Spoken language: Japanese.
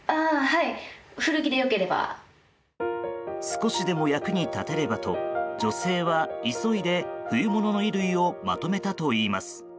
少しでも役に立てればと女性は急いで、冬物の衣類をまとめたといいます。